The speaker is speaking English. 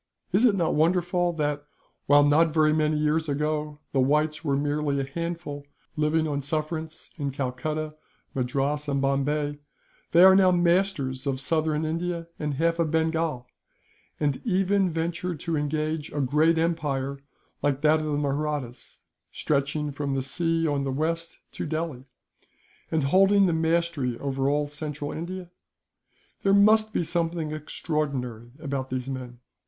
"Is it not wonderful that, while not very many years ago the Whites were merely a handful, living on sufferance in Calcutta, Madras, and Bombay, they are now masters of southern India and half of Bengal; and even venture to engage a great empire like that of the Mahrattas, stretching from the sea on the west to Delhi, and holding the mastery over all central India? There must be something extraordinary about these men.